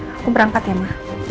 aku berangkat ya ma